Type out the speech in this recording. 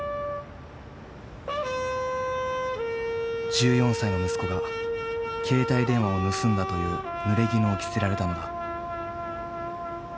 １４歳の息子が携帯電話を盗んだというぬれぎぬを着せられたのだ。